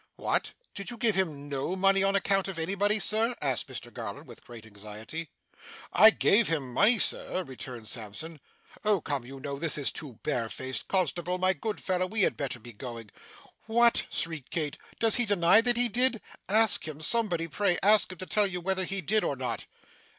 'What! Did you give him no money on account of anybody, Sir?' asked Mr Garland, with great anxiety. 'I give him money, Sir!' returned Sampson. 'Oh, come you know, this is too barefaced. Constable, my good fellow, we had better be going.' 'What!' shrieked Kit. 'Does he deny that he did? ask him, somebody, pray. Ask him to tell you whether he did or not!